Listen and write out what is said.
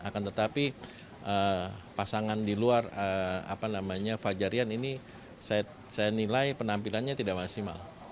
akan tetapi pasangan di luar fajar rian ini saya nilai penampilannya tidak maksimal